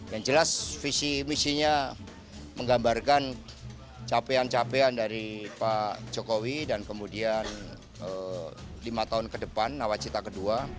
yang jelas visi misinya menggambarkan capaian capaian dari pak jokowi dan kemudian lima tahun ke depan nawacita kedua